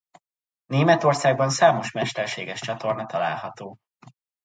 Németországban számos mesterséges csatorna található.